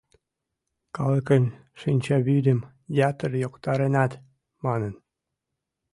— Калыкын шинчавӱдым ятыр йоктаренат», — манын.